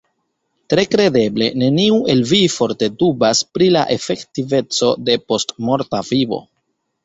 Tre kredeble neniu el vi forte dubas pri la efektiveco de postmorta vivo.